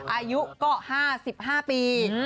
อายุก็๕๕ปี